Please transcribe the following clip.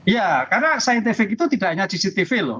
ya karena scientific itu tidak hanya cctv loh